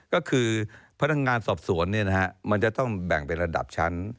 ก็คือพนักงานสอบสวนมันจะต้องแบ่งเป็นระดับชั้น